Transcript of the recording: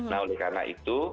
nah oleh karena itu